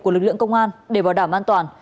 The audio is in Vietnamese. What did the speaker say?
của lực lượng công an để bảo đảm an toàn